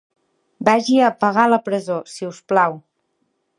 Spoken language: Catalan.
Vagi a pagar a la presó, si us plau.